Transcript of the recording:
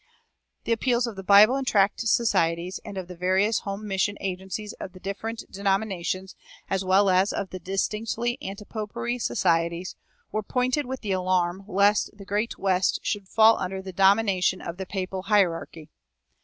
The appeals of the Bible and tract societies, and of the various home mission agencies of the different denominations, as well as of the distinctively antipopery societies, were pointed with the alarm lest "the great West" should fall under the domination of the papal hierarchy.